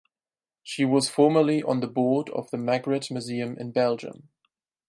She was formerly on the board of the Magritte Museum in Belgium.